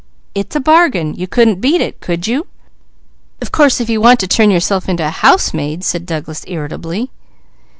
It's a bargain! You couldn't beat it, could you?" "Of course if you want to turn yourself into a housemaid!" said Douglas irritably.